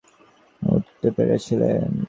তিনি সকল মানুষের আপন হয়ে উঠতে পেরেছিলেন।